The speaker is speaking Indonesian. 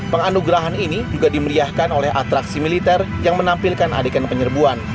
penganugerahan ini juga dimeriahkan oleh atraksi militer yang menampilkan adegan penyerbuan